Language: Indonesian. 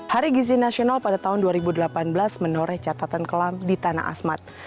hari gizi nasional pada tahun dua ribu delapan belas menoreh catatan kelam di tanah asmat